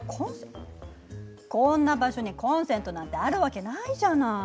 こんな場所にコンセントなんてあるわけないじゃない。